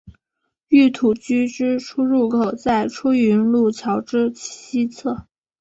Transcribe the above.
御土居之出入口在出云路桥之西侧。